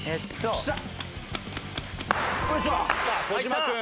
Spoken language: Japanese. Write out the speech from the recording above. よっしゃ！